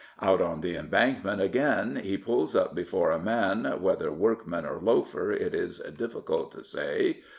Out on the Embankment again, he pulls up before a man, whether workman or loafer it is difficult to say.